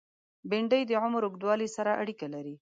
بېنډۍ د عمر اوږدوالی سره اړیکه لري